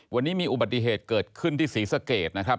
วันนี้มีอุบัติเหตุเกิดขึ้นที่ศรีสะเกดนะครับ